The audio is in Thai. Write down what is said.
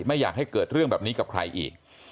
ไม่อยากให้เกิดเรื่องแบบนี้กับใครอีก